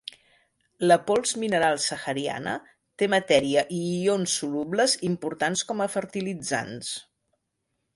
La pols mineral sahariana té matèria i ions solubles importants com a fertilitzants.